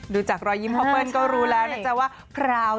ดูจากรอยยิ้มพอเปิ้ลก็รู้แล้วน่ะ